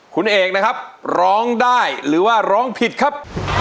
คุณเอกนะครับร้องได้หรือว่าร้องผิดครับ